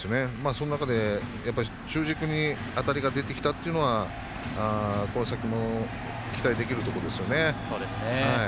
その中で中軸に当たりが出てきたというのはこの先も期待できるということですよね。